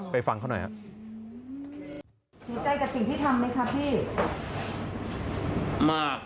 ไปฟังเขาหน่อยครับ